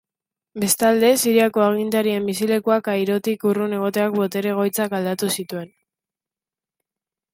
Bestalde, Siriako agintarien bizilekua Kairotik urrun egoteak botere-egoitzak aldatu zituen.